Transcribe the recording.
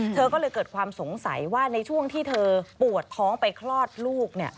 เธอก็เลยเกิดความสงสัยว่าในช่วงที่เธอปวดท้องไปคลอดลูก